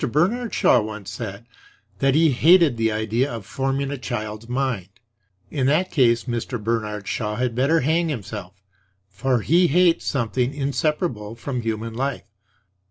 Bernard Shaw once said that he hated the idea of forming a child's mind. In that case Mr. Bernard Shaw had better hang himself; for he hates something inseparable from human life.